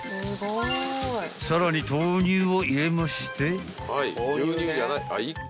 ［さらに豆乳を入れまして］